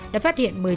đã phát hiện